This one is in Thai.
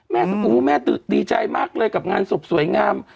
แม่สัมภาษณ์อู้แม่ดีใจมากเลยกับงานสบสวยงาม